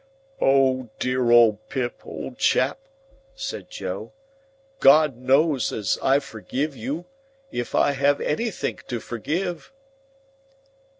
"O dear old Pip, old chap," said Joe. "God knows as I forgive you, if I have anythink to forgive!"